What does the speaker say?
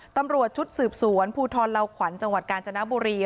ตำรวจชุดสืบสวนภูทรลาวขวัญจังหวัดกาญจนบุรี